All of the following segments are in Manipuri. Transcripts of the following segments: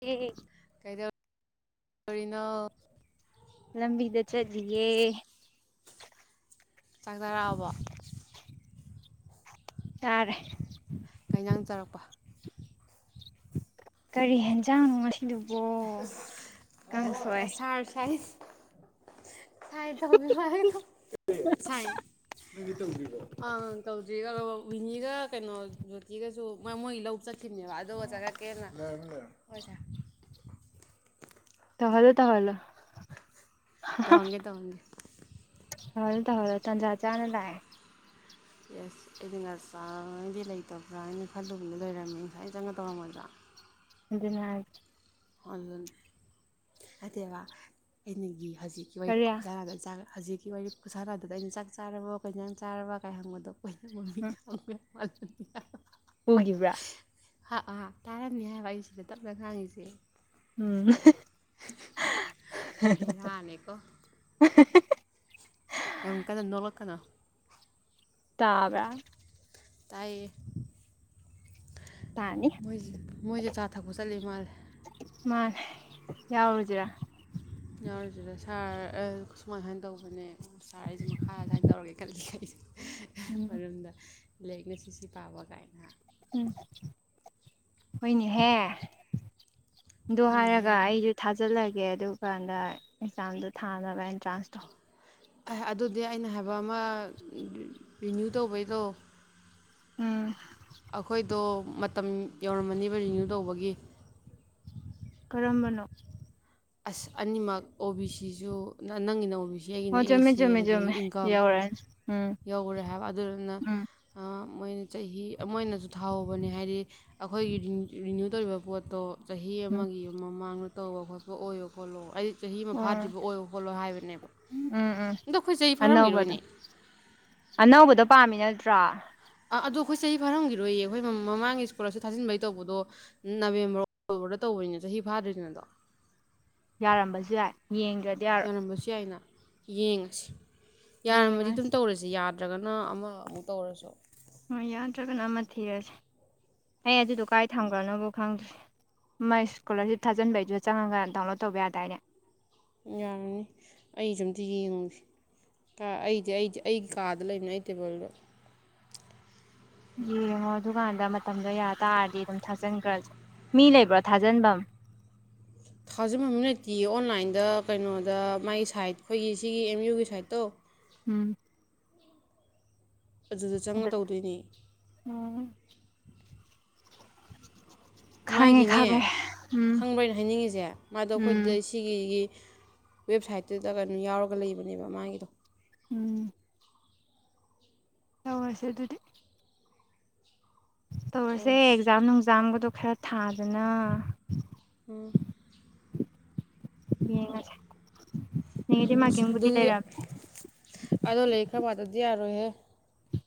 ꯎꯝ ꯀꯔꯤꯅꯣ ꯂꯝꯕꯤꯗ ꯆꯠꯂꯤꯌꯦ ꯆꯥꯛ ꯆꯥꯔꯛꯑꯕꯣ ꯇꯥꯔꯦ ꯀꯩꯖꯥꯡ ꯆꯥꯔꯛꯄ ꯀꯔꯤ ꯌꯦꯟꯖꯥꯡ ꯅꯨꯡ ꯑꯗꯨꯕꯣ ꯀꯥꯡꯁꯣꯏ ꯁꯥꯏꯟ ꯇꯧꯕꯤꯌꯣ ꯍꯥꯏꯒꯦ ꯇꯧ ꯁꯥꯏꯟ ꯅꯪꯒꯤ ꯇꯧꯗꯔ꯭ꯤꯕꯣ ꯑꯥ ꯇꯧ ꯋꯤꯅꯤꯒ ꯀꯩꯅꯣ ꯔꯣꯇꯤꯒꯁꯨ ꯃꯣꯏ ꯃꯣꯏꯒꯤ ꯂꯧ ꯆꯠꯈꯤꯕꯅꯦꯕ ꯑꯗꯨꯒ ꯆꯠꯉꯛꯀꯦꯅ ꯍꯣꯏ ꯁꯥꯔ ꯇꯧꯍꯜꯂꯣ ꯇꯧꯍꯜꯂꯣ ꯇꯍꯣꯡꯒꯦ ꯇꯍꯣꯡꯒꯦ ꯇꯍꯜꯂꯣ ꯇꯍꯜꯂꯣ ꯇꯥꯟꯖ ꯆꯅ ꯂꯥꯛꯑꯦ ꯌꯦꯁ ꯑꯩꯗꯤ ꯉꯔ ꯆꯥꯉꯩꯗꯤ ꯂꯩꯇꯕ꯭ꯔꯥ ꯍꯥꯏꯅ ꯈꯜꯂꯨꯕꯗ ꯂꯩꯔꯝꯃꯤ ꯉꯁꯥꯏꯅ ꯆꯪꯒ ꯇꯧꯔꯝꯃꯣꯏꯗ꯭ꯔꯥ ꯑꯗꯨꯅꯦ ꯍꯥꯏ ꯑꯗꯨꯅꯤ ꯑꯠꯇꯦꯕ ꯑꯩꯅꯒꯤ ꯍꯖꯤꯛꯀꯤ ꯋꯥꯔꯤ ꯀꯔꯤ ꯈꯨꯁꯂꯗ ꯆꯥꯛ ꯍꯖꯤꯛ ꯀꯤ ꯋꯥꯔꯤ ꯈꯨꯁꯥꯟꯅꯗꯨꯗ ꯑꯩꯅ ꯆꯥꯛ ꯆꯥꯔꯕꯣ ꯀꯩꯏꯖꯥꯡ ꯆꯥꯔꯕ ꯀꯥꯏ ꯍꯪꯕꯗꯣ [unintelligible] ꯑ [unintelligible] ꯎꯒꯤꯕ꯭ꯔꯥ ꯍꯥ ꯑꯥ ꯇꯥꯔꯝꯅꯤ ꯍꯥꯏꯕ ꯑꯩꯁꯤꯗ ꯇꯞꯅ ꯉꯥꯡꯉꯤꯁꯦ ꯎꯝ ꯕꯦꯔꯥꯅꯤꯀꯣ [unintelligible] ꯌꯥꯝ ꯀꯟꯅ ꯅꯣꯛꯂꯛꯀꯅꯣ ꯇꯥꯕꯔ꯭ ꯇꯥꯏ ꯇꯥꯅꯤ ꯃꯣꯏ ꯃꯣꯏꯖꯦ ꯆꯥ ꯊꯛꯄ ꯆꯠꯂꯤ ꯃꯥꯜꯂꯦ ꯃꯥꯅꯦ ꯌꯥꯎꯔꯨꯖꯤꯔꯥ ꯌꯥꯎꯔꯤꯁꯤꯗ ꯁꯥꯔ ꯑꯥ ꯁꯨꯃꯥꯏ ꯁꯨꯃꯥꯏꯅ ꯇꯧꯕꯅꯦ ꯁꯥꯔ ꯑꯩꯁꯦ ꯃꯈꯥ ꯁꯥꯏꯅ ꯇꯧꯔꯒꯦ ꯈꯜꯂꯤ ꯑꯩꯁꯦ ꯎꯝ ꯃꯔꯝꯗ ꯂꯦꯛꯅ ꯁꯤ ꯁꯤ ꯄꯥꯕ ꯀꯥꯏꯅ ꯎꯝ ꯍꯣꯏꯅꯦꯍꯦ ꯑꯗꯣ ꯍꯥꯏꯔꯒ ꯍꯣꯏꯅꯦꯍꯦ ꯑꯩꯁꯨ ꯊꯥꯖꯤꯜꯂꯒꯦ ꯒꯦ ꯑꯗꯨ ꯀꯥꯟꯗ ꯑꯦꯛꯖꯥꯝꯗꯣ ꯊꯥꯅꯕ ꯑꯦꯟꯇ꯭ꯔꯥꯟꯁꯇꯣ ꯑꯗꯨꯗꯤ ꯑꯩꯅ ꯍꯥꯏꯕꯃꯥ ꯑꯃ ꯔꯤꯅ꯭ꯌꯨ ꯇꯧꯕꯩꯗꯣ ꯎꯝ ꯑꯩꯈꯣꯏꯗꯣ ꯃꯇꯝ ꯌꯧꯔꯝꯃꯅꯤꯕ ꯔꯤꯅ꯭ꯌꯨ ꯇꯧꯕꯒꯤ ꯀꯔꯝꯕꯅꯣ ꯑꯁ ꯑꯅꯤꯃꯛ ꯑꯣ ꯕꯤ ꯁꯤꯁꯨ ꯅꯪꯒꯤꯅ ꯑꯣ ꯕꯤ ꯁꯤ ꯑꯩꯒꯤꯅ ꯑꯣ ꯑꯦ ꯆꯨꯝꯃꯦ ꯁꯤ ꯆꯨꯝꯃꯦ ꯑꯗꯨꯗꯒꯤ ꯆꯨꯝꯃꯦ ꯏꯟꯀꯝ ꯌꯧꯔꯛꯑꯅꯤ ꯎꯝ ꯌꯧꯈꯔꯦ ꯍꯥꯏꯕ ꯑꯗꯨꯗꯨꯅ ꯎꯝ ꯃꯣꯏꯅ ꯆꯍꯤ ꯑꯃ ꯑꯣꯏꯅꯁꯨ ꯊꯥꯎꯍꯧꯕꯅꯦ ꯍꯥꯏꯗꯤ ꯑꯩꯈꯣꯏꯒꯤ ꯔꯤꯅ꯭ꯌꯨ ꯇꯧꯔꯤꯕ ꯄꯣꯠꯇꯣ ꯆꯍꯤ ꯎꯝ ꯑꯃꯒꯤ ꯃꯃꯥꯡꯗ ꯇꯣꯕꯍ ꯑꯣꯏꯣ ꯈꯣꯠꯂꯣ ꯑꯩ ꯆꯍꯤ ꯑꯃ ꯐꯥꯗ꯭ꯔꯤꯕ ꯑꯣꯏꯣ ꯈꯣꯠꯂꯣ ꯍꯥꯏꯕꯅꯦꯕ ꯎꯝ ꯎꯝ ꯎꯝ ꯑꯗꯣ ꯑꯩꯈꯣꯏ ꯆꯍꯤ ꯑꯅꯧꯕꯗꯣ ꯐꯥꯔꯝꯈꯤꯔꯣꯏꯅꯦ ꯑꯅꯧꯕꯗꯣ ꯄꯥꯝꯃꯤ ꯅꯠꯇ꯭ꯔꯥ ꯑ ꯑꯗꯣ ꯑꯩꯈꯣꯏ ꯆꯍꯤ ꯐꯥꯔꯝꯈꯤꯔꯣꯏꯌꯦ ꯑꯩꯈꯣꯏ ꯃꯃꯥꯡꯒꯤ ꯁ꯭ꯀꯨꯜꯁꯨ ꯊꯥꯖꯤꯟꯕꯩ ꯇꯧꯕꯗꯣ ꯅꯕꯦꯝꯕꯔ ꯑꯣꯛꯇꯣꯕꯔꯗ ꯇꯧꯕꯅꯤꯅ ꯆꯍꯤ ꯐꯥꯗ꯭ꯔꯤꯁꯤꯅꯗꯣ ꯌꯥꯔꯝꯕꯁꯨ ꯌꯥꯏ ꯌꯦꯡꯗ꯭ꯔꯗꯤ ꯌꯥꯔꯣꯏ ꯌꯥꯔꯝꯕꯁꯨ ꯌꯥꯏꯅ ꯌꯦꯡꯉꯁꯤ ꯌꯥꯔꯝꯃꯗꯤ ꯑꯗꯨꯝ ꯌꯦꯡꯉꯁꯤ ꯇꯧꯔꯁꯤ ꯌꯥ ꯖꯒꯅ ꯑꯃꯃꯨꯛ ꯇꯧꯔꯁꯨ ꯍꯣꯏ ꯌꯥꯗ꯭ꯔꯒꯅ ꯑꯃ ꯊꯤꯔꯁꯤꯦ ꯑꯩꯌꯦ ꯑꯗꯨꯗ ꯎꯀꯥꯏ ꯊꯝꯒꯅꯕꯨ ꯈꯪꯗ꯭ꯔꯤ ꯃꯥꯏ ꯏꯁꯀꯣꯂꯥꯔꯁꯤꯞ ꯊꯥꯖꯤꯟꯕꯩꯗꯨꯗ ꯆꯪꯉꯒ ꯗꯥꯎꯟꯂꯣꯗ ꯇꯧꯕ ꯌꯥꯗꯥꯏꯅꯦ ꯌꯥꯔꯅꯤ ꯑꯩ ꯁ ꯑꯝꯇ ꯌꯦꯡꯉꯨꯁꯤ ꯑꯩꯗꯤ ꯑꯩꯗꯤ ꯑꯩꯒꯤ ꯀꯥꯗ ꯂꯩꯕꯅꯦ ꯑꯩ ꯇꯦꯕꯜꯗꯣ ꯌꯦ ꯃꯗꯨꯒ ꯗ ꯃꯇꯝꯗꯣ ꯌꯥꯔ ꯇꯥꯔꯗꯤ ꯑꯗꯨꯝ ꯊꯥꯖꯤꯟꯈ꯭ꯔꯦ ꯃꯤ ꯂꯩꯕ꯭ꯔꯣ ꯊꯥꯖꯤꯟꯐꯝ ꯊꯥꯖꯟꯐꯝꯝ ꯂꯩꯇꯦ ꯑꯣꯟꯂꯥꯏꯟꯗ ꯀꯩꯅꯣꯗ ꯃꯥꯒꯤ ꯁꯥꯏꯠ ꯑꯩꯈꯣꯏꯒꯤ ꯁꯤꯒꯤ ꯑꯦꯝ ꯌꯨꯒꯤ ꯁꯥꯏꯠꯇꯣ ꯎꯝ ꯑꯗꯨꯗ ꯆꯪꯉ ꯇꯧꯗꯣꯏꯅꯤ ꯎꯝ ꯈꯪꯉꯦ ꯃꯥꯥꯏꯒꯤꯅꯦ ꯈꯪꯉꯦ ꯎꯝ ꯈꯪꯕ꯭ꯔꯅ ꯍꯥꯏꯅꯤꯡꯉꯤꯁꯦ ꯃꯥꯗꯣ ꯎꯝ ꯑꯩꯈꯣꯏ ꯁꯤꯒꯤ ꯋꯦꯕꯁꯥꯏꯠꯇꯨꯗ ꯀꯩꯅꯣ ꯌꯥꯎꯔꯒ ꯂꯩꯕꯅꯦꯕ ꯃꯥꯒꯤꯗꯣ ꯎꯝ ꯍꯁꯦ ꯑꯗꯨꯗꯤ ꯇꯔꯁꯦ ꯇꯧꯔꯁꯤ ꯑꯦꯛꯖꯥ ꯅꯨꯡꯖꯥꯒꯗ ꯈꯔ ꯊꯥꯗꯅ ꯎꯝ ꯌꯦ ꯎ ꯑꯗꯨ ꯑꯗꯣ ꯂꯩ ꯈ ꯄ ꯇꯗꯤ ꯇꯔꯍꯦ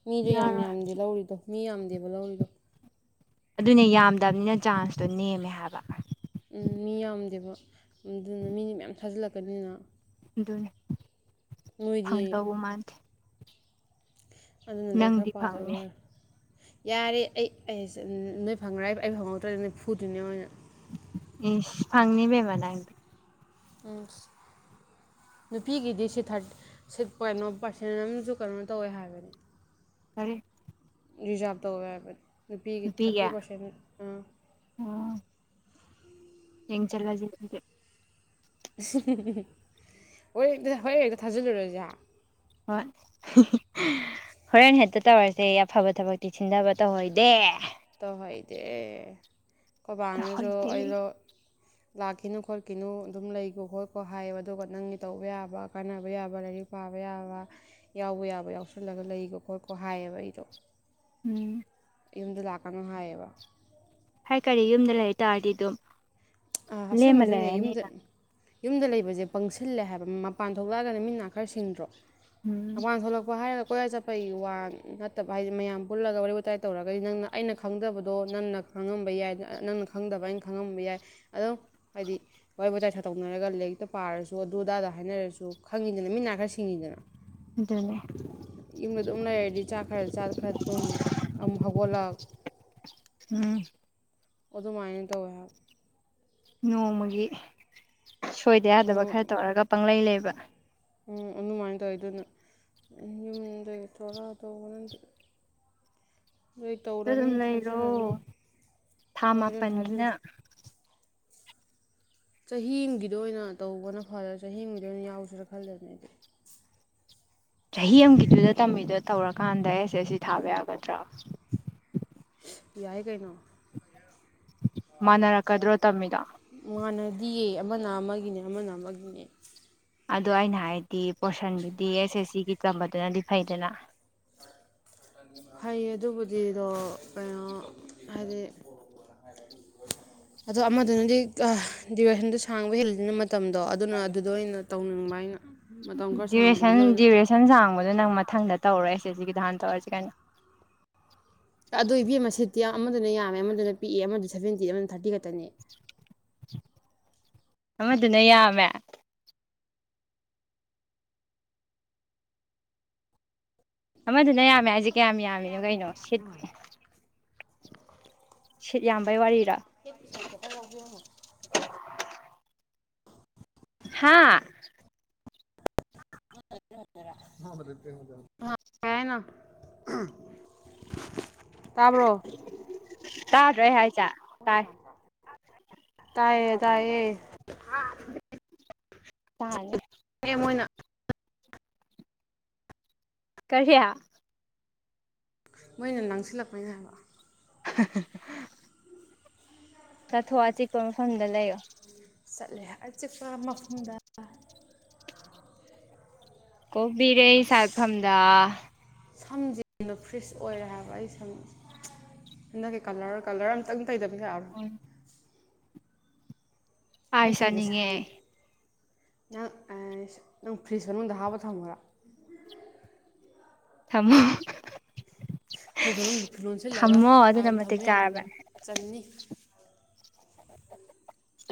ꯃꯤꯁꯨ ꯌꯥꯝ ꯌꯥꯔꯣꯏ ꯌꯥꯝꯗꯤꯦ ꯂꯧꯔꯤꯗꯣ ꯃꯤ ꯌꯥꯝꯗꯦꯕ ꯂꯧꯔꯤꯗꯣ ꯑꯗꯨꯅꯦ ꯌꯥꯝꯗꯕꯅꯤꯅ ꯆꯥꯟꯁꯇꯣ ꯅꯦꯝꯃꯦ ꯍꯥꯏꯕ ꯎꯝ ꯃꯤ ꯌꯥꯝꯗꯦꯕ ꯑꯗꯨꯅ ꯃꯤꯅꯤ ꯃꯌꯥꯝ ꯊꯥꯖꯤꯜꯂꯛꯀꯅꯤꯅ ꯑꯗꯨꯅꯤ ꯅꯣꯏꯗꯤ ꯐꯪꯗꯧꯕ ꯃꯥꯥꯟꯗꯤꯦ ꯑꯗꯨꯅꯗꯤ ꯈꯔ ꯄꯥꯗꯕ ꯐꯪꯅꯤ ꯌꯥꯔꯦ ꯌꯥꯔꯦ ꯑꯩ ꯅꯣꯏ ꯐꯪꯔ ꯑꯩ ꯐꯪꯍꯧꯗ꯭ꯔꯗꯤ ꯅꯣꯏ ꯐꯨꯗꯣꯏꯅꯦ ꯑꯣꯏꯅ ꯏꯁꯤ ꯐꯪꯅꯤꯕꯅꯪ ꯎꯝ ꯅꯨꯄꯤꯒꯤꯗꯤ ꯁꯤ ꯊꯥꯔ ꯀꯩꯅꯣ ꯄꯥꯔꯁꯦꯟ ꯑꯃꯁꯨ ꯀꯩꯅꯣ ꯇꯧꯋꯦ ꯍꯥꯏꯕꯅꯤ ꯀꯔꯤ ꯔꯤꯖꯥꯕꯗꯦꯕ [unintelligible] ꯅꯨꯄꯤꯒꯤ ꯊꯥꯔꯇꯤ ꯄꯥꯔꯁꯦꯟ ꯑꯥ ꯌꯦꯡ ꯆꯠꯂꯁꯤ ꯍꯣꯔꯛꯇ ꯍꯣꯔ ꯍꯦꯛꯇ ꯊꯥꯖꯤꯜꯂꯨꯔꯁꯦ ꯍꯣꯏ ꯍꯣꯔꯦꯟ ꯍꯦꯛꯇ ꯇꯧꯔꯁꯦ ꯑꯐꯕ ꯊꯕꯛꯇꯤ ꯁꯤꯟꯊꯕ ꯇꯧꯑꯣꯏꯗꯦ ꯇꯍꯣꯏꯗꯦ ꯀꯕꯅꯁꯨ ꯇꯧꯍꯣꯏꯗꯦ ꯑꯩꯅ ꯂꯥꯛꯈꯤꯅꯨ ꯈꯣꯠꯈꯤꯅꯨ ꯑꯗꯨꯝ ꯂꯩꯀꯣ ꯈꯣꯠꯀꯣ ꯍꯥꯏꯌꯦꯕ ꯑꯗꯨꯒ ꯅꯪꯒꯤ ꯇꯧꯕ ꯌꯥꯕ ꯀꯥꯟꯅꯕ ꯌꯥꯕ ꯂꯥꯏꯔꯤꯛ ꯄꯥꯕ ꯌꯥꯕ ꯌꯥꯎꯕ ꯌꯥꯕ ꯌꯥꯎꯁꯜꯂꯒ ꯂꯩꯀꯣ ꯈꯣꯠꯀꯣ ꯍꯥꯏꯌꯦꯕ ꯑꯩꯗꯣ ꯎꯝ ꯌꯨꯝꯗ ꯂꯥꯛꯀꯅꯨ ꯍꯥꯏꯌꯦꯕ ꯍꯥꯏ ꯀꯔꯤ ꯌꯨꯝꯗ ꯂꯩꯇꯥꯥꯔꯗꯤ ꯑꯗꯨꯝ ꯂꯦꯝꯃ ꯑꯥꯁꯦꯡꯕꯁꯨꯅꯦ ꯌꯨꯝꯗ ꯂꯩꯔꯅꯤꯅ ꯌꯨꯝꯗ ꯂꯩꯕꯁꯦ ꯄꯪꯁꯤꯜꯂꯦ ꯍꯥꯏꯕ ꯃꯄꯥꯟ ꯊꯣꯛꯂꯛꯑꯒꯅ ꯃꯤꯅꯥ ꯈꯔ ꯁꯤꯡꯗ꯭ꯔꯣ ꯎꯝ ꯑꯥꯡ ꯊꯣꯛꯂꯛꯄ ꯍꯥꯏꯔ ꯀꯣꯏꯌꯥ ꯆꯠꯄꯒꯤ ꯋꯥ ꯅꯠꯇꯕ ꯍꯥꯏꯗꯤ ꯃꯌꯥꯝ ꯄꯨꯜꯂꯒ ꯋꯥꯔꯤ ꯋꯥꯇꯥꯏ ꯇꯧꯔꯒꯗꯤ ꯅꯪꯅ ꯑꯩꯅ ꯈꯪꯗꯕꯗꯣ ꯅꯪꯅ ꯈꯪꯉꯝꯕ ꯌꯥꯏ ꯅꯪꯅ ꯈꯪꯗꯕ ꯑꯩꯅ ꯈꯪꯉꯝꯕ ꯌꯥꯏ ꯑꯗꯨꯝ ꯍꯥꯏꯗꯤ ꯋꯥꯔꯤ ꯋꯥꯋꯇꯥꯏ ꯁꯥꯇꯣꯛꯅꯔꯒ ꯂꯥꯏꯔꯤꯛꯇ ꯄꯥꯔꯁꯨ ꯑꯗꯨ ꯑꯗꯥꯗ ꯍꯥꯏꯅꯔꯁꯨ ꯈꯪꯉꯤꯗꯅ ꯃꯤ ꯈꯔ ꯁꯤꯡꯉꯤꯗꯅ ꯑꯗꯨꯅꯦ ꯌꯨꯝꯗ ꯑꯗꯨ ꯑꯗꯨꯝ ꯂꯩꯔꯗꯤ ꯆꯥꯛ ꯈꯔ ꯆꯥ ꯈꯔ ꯇꯨꯝ ꯑꯃ ꯍꯧꯒꯠꯂꯛ ꯎꯝ ꯑꯗꯨꯗ ꯃꯥꯥꯏꯅꯦꯗ ꯑꯣꯏꯍ ꯅꯣꯡꯃꯒꯤ ꯁꯣꯏꯗ ꯍꯥꯏꯕ ꯌꯥꯗꯕ ꯈꯔ ꯇꯧꯔꯒ ꯄꯪꯂꯩ ꯂꯩꯕ [unintelligible] ꯎꯝ ꯑꯗꯨꯃꯥꯏꯅ ꯇꯧꯋꯤ ꯑꯗꯨꯅ ꯌꯨꯝꯗꯒꯤ ꯊꯔꯥ ꯇꯧꯕꯅꯗꯤ ꯂꯣꯏ ꯑꯗꯨꯝ ꯇꯧꯔꯅꯤ ꯂꯩꯔꯣ ꯊꯥꯖꯤꯜꯂꯅꯤ ꯊꯥ ꯍꯣꯏ ꯑꯗꯨꯅ ꯊꯥꯖꯤꯜꯂꯦ ꯃꯥꯄꯜꯅꯤꯅ ꯆꯍꯤꯒꯤꯗ ꯑꯣꯏꯅ ꯇꯧꯕꯅ ꯐꯔꯥ ꯆꯍꯤꯒꯤꯗ ꯑꯣꯏꯅ ꯌꯥꯎꯁꯤꯔꯥ ꯈꯜꯂꯦꯅꯦ ꯑꯩꯗꯤ ꯆꯍꯤ ꯑꯃꯒꯤꯗꯨꯗ ꯇꯝꯃꯤꯗꯨꯣ ꯇꯧꯔꯀꯥꯟꯗ ꯑꯦꯁꯦꯁꯤ ꯊꯥꯕ ꯌꯥꯒꯗ꯭ꯔꯥ ꯌꯥꯏ ꯀꯩꯅꯣ ꯃꯥꯟꯅꯔꯛꯀꯗ꯭ꯔꯣ ꯇꯝꯃꯤꯗ ꯌꯦ ꯑꯃꯅ ꯑꯃꯒꯤꯅꯦ ꯑꯃꯅ ꯑꯃꯒꯤꯅꯦ ꯑꯗꯣ ꯑꯩꯅ ꯍꯥꯏꯗꯤ ꯄꯣꯔꯁꯟꯗꯨꯗꯤ ꯑꯦꯁ ꯑꯦꯁ ꯁꯤꯒꯤ ꯆꯝꯕꯗꯨꯅꯗꯤ ꯐꯩꯗꯅ ꯐꯩꯌꯦ ꯑꯗꯨꯕꯨꯗꯤꯗꯣ ꯀꯩꯅꯣ ꯍꯥꯏꯗꯤ ꯑꯗꯣ ꯑꯃꯗꯨꯅꯗꯤ ꯗ꯭ꯌꯨꯔꯦꯁꯟꯗꯨ ꯁꯥꯡꯕ ꯍꯦꯜꯂꯤꯗꯨꯅ ꯃꯇꯝꯗꯣ ꯑꯗꯨꯅ ꯑꯗꯨꯗꯣ ꯑꯩꯅ ꯇꯧꯅꯤꯡꯕ ꯍꯥꯏ ꯗꯨꯔꯦꯁꯟ ꯗ꯭ꯌꯨꯔꯦꯁꯟ ꯁꯥꯡꯕꯗꯣ ꯅꯪ ꯃꯊꯪꯗ ꯇꯧꯔꯣ [unintelligible] ꯒꯤꯙꯥꯟ ꯇꯋꯥꯔꯁꯤ ꯀꯥꯏꯅ ꯑꯗꯨꯣ ꯏꯕꯦꯝ ꯑꯃ ꯁꯤꯠꯇꯤ ꯑꯃꯗꯨꯅ ꯌꯥꯝꯃꯦ ꯑꯃꯗꯨꯅ ꯄꯤꯛꯑ ꯑꯃꯗꯨꯅ ꯁꯚꯦꯟꯇꯤ ꯑꯃꯅ ꯊꯥꯔꯇꯤ ꯇꯅꯤ ꯑꯃꯗꯨꯅ ꯌꯥꯝꯃꯦ ꯑꯃꯗꯨꯅ ꯌꯥꯝꯃꯦ ꯍꯥꯏꯖꯤꯛ ꯀꯌꯥꯝ ꯌꯥꯝꯃꯤꯅꯣ ꯀꯩꯅꯣ ꯁꯤꯠ ꯁꯤꯠ ꯌꯥꯝꯕꯩ ꯋꯥꯔꯤꯔꯥ ꯍꯥꯥ [unintelligible] ꯀꯩ ꯍꯥꯏꯅꯣ [unintelligible] ꯇꯥꯕ꯭ꯔꯣ ꯇꯥꯗ꯭ꯔꯣ ꯑꯩ ꯍꯥꯏ [unintelligible] ꯇꯥꯏ ꯇꯥꯏꯌꯦ ꯇꯥꯏꯌꯦ ꯇꯥꯅꯤ ꯑꯦ ꯃꯣꯏꯅ ꯀꯔꯤ ꯃꯣꯏꯅ ꯂꯥꯡꯁꯤꯜꯂꯛꯄꯩꯅꯦ ꯍꯥꯏꯕ [unintelligible] ꯆꯠꯊꯣꯛꯑꯣ ꯑꯆꯤꯛꯄ ꯃꯐꯝꯗ ꯂꯩꯌꯣ ꯆꯠꯂꯦ ꯑꯆꯤꯛꯄ ꯃꯐꯝꯗ ꯀꯣꯝꯕꯤꯔꯩ ꯁꯥꯠꯐꯝꯘ ꯁꯝꯁꯦ ꯐ꯭ꯔꯤꯁ ꯑꯣꯏꯔꯦ ꯍꯥꯏꯕ ꯑꯩ ꯁꯝ ꯍꯟꯗꯛꯀꯤ ꯀꯂꯔ ꯀꯂꯔ ꯑꯝꯇꯪ ꯇꯩꯗꯕ ꯌꯥꯔꯔꯣꯏ ꯎꯝ ꯑꯥꯏꯁ ꯆꯥꯅꯤꯡꯉꯦ ꯁꯥꯡꯉꯦ ꯅꯪ ꯅꯪ ꯐ꯭ꯔꯤꯖ ꯃꯅꯨꯡꯗ ꯍꯥꯞꯄ ꯊꯝꯃꯔꯣ ꯊꯝꯃꯣ ꯐ꯭ꯔꯤꯖ ꯃꯅꯨꯡꯗ ꯂꯣꯟꯁꯤꯜꯂꯒ ꯊꯝꯃꯣ ꯑ ꯑꯗꯨꯅ ꯃꯇꯤꯛ ꯊꯝꯕ ꯌꯥꯅꯤꯅ ꯆꯥꯔꯕꯅꯦ ꯆꯟꯅꯤ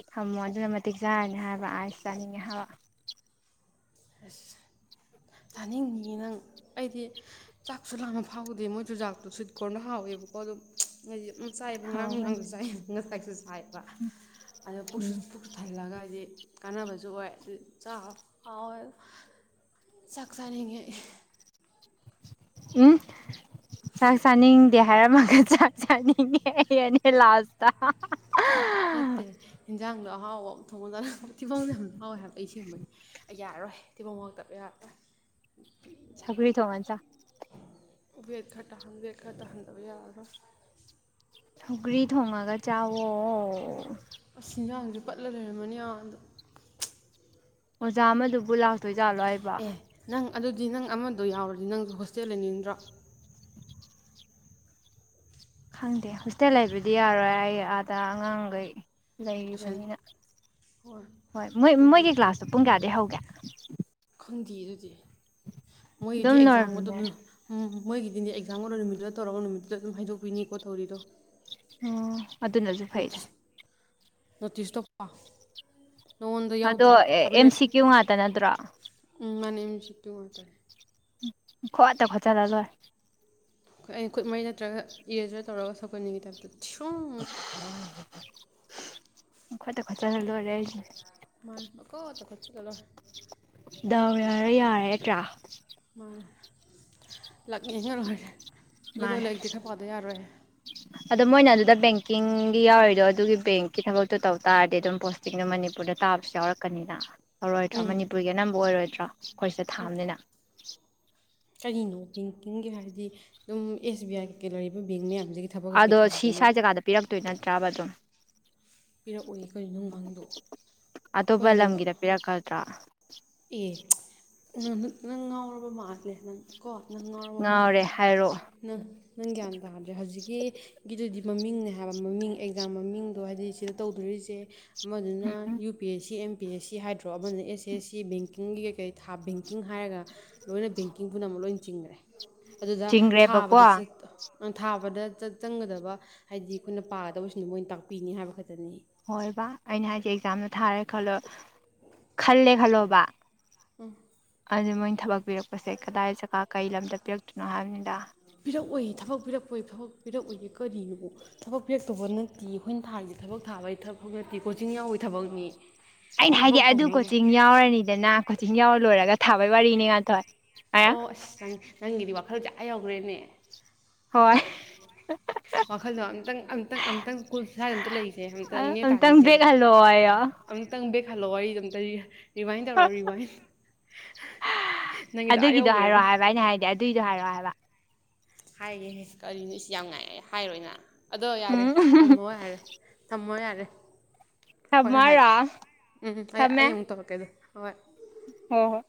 ꯊꯝꯃꯣ ꯑꯗꯨꯅ ꯃꯇꯤꯛ ꯆꯥꯔꯅꯤ ꯍꯥꯏꯕ ꯑꯥꯏꯁ ꯆꯥꯅꯤꯡꯉꯦ ꯍꯥꯏꯕ [unintelligible] ꯆꯥꯅꯤꯡꯅꯤ ꯅꯪ ꯑꯩꯗꯤ ꯆꯥꯛꯁꯨ ꯂꯥꯝꯕ ꯐꯥꯎꯗꯦ ꯃꯣꯏ ꯆꯨꯖꯥꯛꯇꯣ ꯁ꯭ꯋꯤꯠ ꯀꯣꯔꯟꯗꯨ ꯍꯥꯎꯋꯦꯕꯀꯣ ꯑꯗꯨꯝ ꯑꯩꯗꯤ ꯆꯥꯏꯕ ꯉꯔꯥꯡ ꯍꯥꯎꯕꯅꯤ ꯅꯨꯡꯗꯥꯡꯁꯨ ꯆꯥꯏ ꯉꯁꯥꯏ ꯃꯥꯏꯕ ꯑꯗꯣ ꯄꯨꯛꯁꯨ ꯎꯝ ꯊꯜꯂꯒ ꯍꯥꯏꯗꯤ ꯀꯥꯟꯅꯕꯁꯨ ꯑꯣꯏ ꯑꯗꯨ ꯆꯥ ꯍꯥꯎꯋꯦ ꯆꯥꯛ ꯆꯥꯅꯤꯡꯉꯦ ꯎꯝ ꯆꯥꯛ ꯆꯥꯅꯤꯡꯗꯦ ꯍꯥꯏꯔꯝꯃ ꯆꯥꯛ ꯆꯅꯤꯡꯉꯦ ꯌꯦꯅꯦ ꯂꯥꯁꯇꯥ ꯅꯠꯇꯦ ꯍꯦꯟꯖꯥꯡꯗꯣ ꯑꯍꯥꯎꯕ ꯑꯃ ꯊꯣꯡꯉꯥ ꯆꯥꯅꯤꯡꯕ ꯊꯤꯕꯣꯡꯖꯦ ꯌꯥꯝ ꯂꯎꯋꯦ ꯍꯥꯏꯕ ꯑꯩ ꯁꯦꯝꯕꯩꯅꯤ ꯑꯩ ꯌꯥꯔꯔꯣꯏ ꯊꯤꯕꯣꯡ ꯋꯔꯛꯇꯕ ꯌꯥꯔꯔꯣꯏ ꯁꯧꯒꯔꯤ ꯊꯣꯡꯉ ꯆꯥꯎ ꯋꯦꯠꯈꯥ ꯇꯥꯍꯟꯒꯦ ꯋꯦꯠ ꯈꯔ ꯇꯥꯍꯟꯗꯕ ꯌꯥꯔꯔꯣꯏ ꯁꯧꯒ꯭ꯔꯤ ꯊꯣꯡꯉꯒ ꯆꯥꯋꯣ ꯑꯁ ꯏꯟꯖꯥꯡꯁꯦ ꯄꯠꯂ ꯂꯩꯔꯝꯃꯅꯤ ꯑꯗ ꯑꯣꯖꯥ ꯑꯃꯗꯨꯕꯨ ꯂꯥꯛ ꯇꯣꯏꯖꯥꯜꯂꯣ ꯍꯥꯏꯕ ꯑꯦ ꯅꯪ ꯑꯗꯨꯗꯤ ꯅꯪ ꯑꯃꯗꯣ ꯌꯥꯎꯔꯗꯤ ꯅꯪ ꯍꯣꯁꯇꯦꯜ ꯂꯩꯅꯤꯡꯗ꯭ꯔꯣ ꯈꯪꯗꯦ ꯍꯣꯁꯇꯦꯜ ꯍꯥꯏꯕꯗꯤ ꯌꯥꯔꯣꯏ ꯑꯩ ꯑꯥꯗ ꯑꯉꯥꯡꯒꯩ ꯇꯨꯏꯁꯟ ꯂꯩꯔꯤꯕꯅꯤꯅ ꯑꯣꯔ ꯍꯣꯏ ꯃꯣꯏ ꯃꯣꯏꯒꯤ ꯑꯗꯨꯕꯨꯁꯨ ꯀ꯭ꯂꯥꯁꯇꯣ ꯄꯨꯡ ꯀꯌꯥꯗꯩꯩ ꯍꯧꯒꯦ ꯈꯪꯗꯤꯌꯦ ꯑꯗꯨꯗꯤ ꯃꯣꯏꯒꯤꯗꯤ ꯑꯗꯨꯝ ꯑꯦꯛꯖꯥꯝꯒꯗꯨꯅ ꯅꯣꯔꯃꯦꯜ ꯎꯝ ꯃꯣꯏꯒꯤꯗꯤꯅꯦ ꯑꯦꯛꯖꯥꯝꯒ ꯂꯣꯢꯔ ꯅꯨꯃꯤꯠꯇꯨꯗ ꯇꯧꯔꯒ ꯅꯨꯃꯤꯠꯇꯨꯗ ꯑꯗꯨꯝ ꯍꯥꯏꯗꯣꯛꯄꯤꯅꯤꯀꯣ ꯊꯧꯔꯤꯗꯣ ꯑꯣ ꯑꯗꯨꯅꯁꯨ ꯐꯩꯔ ꯅꯊꯦꯁꯇ ꯄ ꯑꯗꯣ ꯑꯦꯝ ꯁꯤ ꯀ꯭ꯌꯨ ꯉꯥꯛꯇ ꯅꯠꯇ꯭ꯔꯣ ꯆꯤ ꯇꯨ ꯉ ꯃꯇꯝꯔꯦ ꯈꯑ ꯑꯇ ꯈꯆꯆꯥꯗꯗꯣꯏ ꯑꯩꯣꯏ ꯑꯩꯅ ꯈꯨꯠꯃꯩ ꯅꯠꯇ꯭ꯔꯒ ꯏꯔꯖꯥ ꯇꯧꯔꯒ ꯁꯧꯀꯟꯅꯤꯡꯉꯒꯤ ꯇꯥꯏꯞꯇꯣ ꯁꯨꯝ ꯈꯠꯇ ꯈꯠꯇꯔꯂ ꯑꯣꯏ ꯌꯥ ꯃꯥ ꯀꯣꯠꯇ ꯈꯠꯆ ꯇꯗꯣ ꯗꯎꯔꯔ ꯌꯥꯔꯗ꯭ꯔꯥ ꯃꯥꯅꯦ ꯂꯛ ꯌꯦꯡꯉ ꯂꯣꯏꯔꯦ ꯑꯗꯣ ꯃꯥꯥꯏ ꯂꯥꯏꯔꯤꯛꯇꯤ ꯈꯔ ꯄꯥꯗ ꯌꯥꯔꯣꯏꯍꯦ ꯑꯗꯣ ꯃꯣꯏꯅ ꯑꯗꯨꯗ ꯕꯦꯡ ꯕꯀꯤꯡꯒꯤ ꯌꯥꯎꯔꯤꯗꯣ ꯑꯗꯨꯒꯤ ꯕꯦꯡꯀꯤ ꯊꯕꯛꯇꯣ ꯇꯧ ꯇꯥꯔꯗꯤ ꯑꯗꯨꯝ ꯄꯣꯁꯇꯤꯡꯗꯣ ꯃꯅꯤꯄꯨꯔꯗ ꯇꯥꯕꯁꯨ ꯌꯥꯎꯔꯛꯀꯅꯤꯅ ꯇꯧꯔꯣꯏ ꯊꯔꯣ ꯃꯅꯤꯄꯨꯔꯒꯤ ꯑꯅꯝꯕ ꯑꯣꯏꯔꯣꯏꯗ ꯆ ꯑꯩꯈꯣꯏꯁꯦ ꯊꯥꯕꯅꯤꯅ ꯀꯔꯤꯅꯣ ꯕꯦꯡꯀꯤꯡꯒꯤ ꯍꯥꯏꯗꯤ ꯑꯗꯨꯝ ꯑꯦꯁ ꯕꯤ ꯑꯥꯏꯒ ꯂꯩꯔꯤꯕ ꯕꯦꯡ ꯃꯌꯥꯝ ꯑꯗꯣ ꯁꯤ ꯁ꯭ꯋꯥꯏ ꯖꯒꯥꯗ ꯄꯤꯔꯛꯇ ꯑꯗꯨꯏꯅ ꯇ꯭ꯔꯥꯕ ꯑꯗꯨꯝ ꯄꯤꯔꯛꯎꯏ ꯀꯔꯤꯅꯣ ꯈꯪꯗꯣ ꯑꯇꯣꯞꯄ ꯈꯣꯏꯅꯅꯕ ꯂꯝꯒꯤꯗ ꯄꯤꯔꯛꯀꯗ꯭ꯔꯥ ꯑꯦ ꯅꯪ ꯉꯥꯎꯅꯕ ꯃꯥꯥꯛꯂꯦ ꯅꯪ ꯀꯣ ꯅꯪ ꯉꯥꯎꯔꯝꯕ ꯃꯈꯜꯦ ꯉꯥꯎꯔꯦ ꯍꯥꯏꯔꯛꯑꯣ ꯅꯪ ꯅꯪ ꯒ꯭ꯌꯥꯟ ꯇꯥꯗ꯭ꯔꯦ ꯍꯧꯖꯤꯛꯀꯤꯗꯨꯗꯤ ꯃꯃꯤꯡꯅꯦ ꯍꯥꯏꯕ ꯃꯃꯤꯡ ꯑꯦꯛꯖꯥꯝ ꯃꯃꯤꯡꯗꯣ ꯍꯥꯏꯗꯤ ꯁꯤꯗ ꯇꯧꯗꯣꯔꯤꯁꯦ ꯑꯃꯗꯨꯅ ꯎꯝ U P S C M P S C ꯍꯥꯏꯗ꯭ꯔꯣ ꯑꯃꯅ ꯑꯦꯁ ꯑꯦꯁ ꯁꯤ ꯁꯤ ꯕꯦꯡꯀꯤꯡꯒꯤ ꯀꯩꯀꯩ ꯊꯥ ꯕꯦꯡꯀꯤꯡ ꯍꯥꯏꯔꯒ ꯂꯣꯏꯅ ꯕꯦꯡꯀꯤꯡ ꯄꯨꯝꯅꯃꯛ ꯂꯣꯏꯅ ꯆꯤꯡꯈ꯭ꯔꯦ ꯑꯗꯨꯗ ꯆꯤꯡꯈ꯭ꯔꯦꯕꯀꯣ ꯊꯥꯕꯗ ꯆꯦ ꯊꯥꯕꯗ ꯆꯪꯒꯗꯕ ꯍꯥꯏꯗꯤ ꯑꯩꯈꯣꯏꯅ ꯄꯥꯒꯗꯕꯁꯤꯡꯅ ꯃꯣꯏꯅ ꯇꯥꯛꯄꯤꯅꯤ ꯍꯥꯏꯕ ꯈꯛꯇ ꯍꯣꯏ ꯕꯥ ꯑꯩꯅ ꯍꯥꯏꯁꯦ ꯑꯦꯛꯖꯥꯝꯗ ꯊꯥꯔꯦ ꯈꯜꯂꯣ ꯈꯜꯂꯦ ꯈꯜꯂꯣꯕ ꯎꯝ ꯑ ꯃꯣꯏꯅ ꯊꯕꯛ ꯄꯤꯔꯛꯄꯁꯦ ꯀꯗꯥꯏ ꯖꯒꯥꯥ ꯀꯩ ꯂꯝꯗ ꯄꯤꯔꯛꯇꯣꯏꯅꯣ ꯍꯥꯏꯕꯅꯤꯗ ꯄꯤꯔꯛꯑꯣꯏ ꯊꯕꯛ ꯄꯤꯔꯛꯄꯣꯏ ꯊꯕꯛ ꯄꯤꯔꯛꯎꯏꯌꯦꯀꯣ ꯀꯔꯤ ꯊꯕꯛ ꯑꯇꯣꯞꯄ ꯅꯠꯇꯦ ꯑꯩꯈꯣꯏꯅ ꯊꯥꯒꯤ ꯊꯕꯛ ꯊꯥꯕꯒꯤ ꯊꯕꯛ ꯅꯠꯇꯦ ꯀꯣꯆꯤꯡ ꯌꯥꯎꯕꯒꯤ ꯊꯕꯛꯅꯤ ꯑꯩꯅ ꯊꯕꯛ ꯍꯥꯏꯗꯤ ꯑꯗꯨ ꯇꯧꯅꯕ ꯀꯣꯆꯤꯡ ꯌꯥꯎꯔꯅꯤꯗꯅ ꯀꯣꯆꯤꯡ ꯌꯥꯎꯔ ꯂꯣꯏꯔꯒ ꯊꯥꯕ ꯋꯥꯔꯤꯅꯤ ꯉꯥꯊꯣꯏ ꯑꯣ ꯑꯁ ꯅꯪꯗ ꯋꯥ ꯈꯜꯖꯦ ꯑꯥ ꯌꯧꯈ꯭ꯔꯦꯅꯦ ꯍꯣꯏ ꯋꯥꯈꯜꯗꯣ ꯑꯝꯇꯪꯪ ꯑꯝꯇꯪ ꯑꯝꯇꯪ ꯀꯨꯜ ꯁꯥꯏꯗ ꯑꯝꯇ ꯂꯩꯌꯨꯁꯦ ꯑ ꯅꯦ ꯑꯝꯇꯪ ꯇꯥꯈꯤꯁꯦ ꯕꯦꯛ ꯑꯝꯇ ꯍꯜꯂꯛꯑꯣꯌꯣ ꯑꯝꯇꯪ ꯍꯜꯂꯣ ꯋꯥꯔꯤꯗꯣ ꯑꯝꯇ ꯂꯤꯌꯨ ꯔꯤꯚꯥꯏꯟ ꯇꯧꯔꯣ ꯔꯤꯚꯥꯏꯟ ꯅꯪꯒꯤꯗꯣ ꯑꯥ ꯑꯗꯨꯒꯤꯗꯣ ꯌꯧꯈ꯭ꯔꯦꯕ ꯍꯥꯏꯔꯛꯑꯣ ꯍꯥꯏꯕ ꯑꯩꯅ ꯍꯥꯏꯗꯤ ꯑꯗꯨꯏꯗꯣ ꯍꯥꯏꯔꯛꯑꯣ ꯍꯥꯏꯕ ꯍꯥꯏꯒꯦ ꯀꯔꯤꯅꯣ ꯏꯁ ꯌꯥꯝ ꯉꯥꯏ ꯍꯥꯏꯔꯣꯏꯅ ꯑꯗꯣ ꯌꯥꯔꯦ ꯎꯝ ꯊꯝꯃꯣ ꯌꯥꯔꯦ ꯊꯝꯃꯣ ꯌꯥꯔꯦ [inaudible] ꯊꯝꯃꯣ ꯍꯣꯔꯦꯟ ꯍꯥꯏꯔꯣ ꯍꯥꯏꯒꯦ ꯎꯝ ꯑꯩ ꯊꯝꯃꯦ ꯑꯩ ꯑꯃꯨꯛ ꯇꯧꯔꯛꯀꯦꯗꯣ ꯍꯣꯏ ꯍꯣ ꯍꯣ